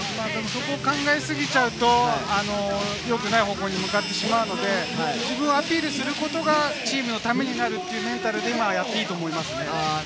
そこを考えすぎちゃうとよくない方向に向かってしまうので、自分をアピールすることがチームのためになるというメンタルでやっていいと思いますね。